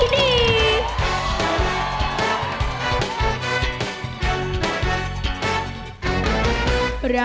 ขอเสียงหน่อยครับ